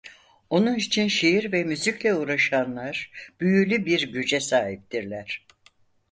Onun için şiir ve müzikle uğraşanlar büyülü bir güce sahiptiler.